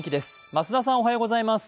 増田さん、おはようございます。